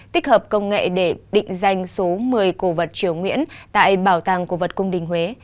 tích hợp công nghệ để định danh số một mươi cổ vật triều nguyễn tại bảo tàng cổ vật cung đình huế